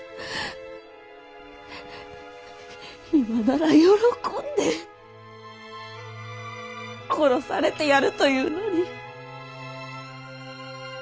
今なら喜んで殺されてやるというのに。